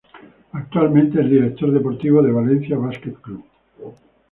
Actualmente es director deportivo del Valencia Basket Club.